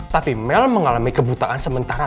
tapi mel mengalami kebutaan sementara